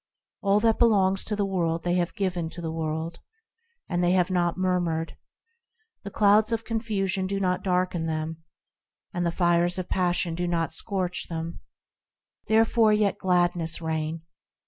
All that belongs to the world they have given to the world, And they have not murmured. The clouds of confusion do not darken them, And the fires of passion do not scorch them; Therefore let gladness reign